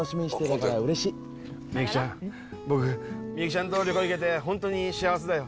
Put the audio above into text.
僕ミユキちゃんと旅行行けて本当に幸せだよ。